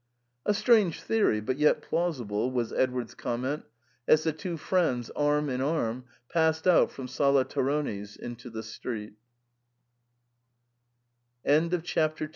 " "A strange theory, but yet plausible," was Edward's comment, as the two friends, arm in arm, passed out from Sala Tarone's into the street SIGNOR FORMICA.'